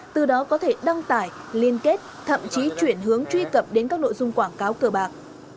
từ đó có thể đăng tải liên kết thậm chí chuyển hướng truy cập đến các nội dung quảng cáo cờ bạc